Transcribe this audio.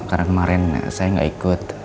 karena kemarin saya gak ikut